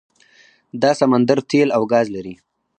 دا سمندر تیل او ګاز لري.